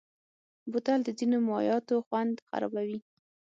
بوتل د ځینو مایعاتو خوند خرابوي.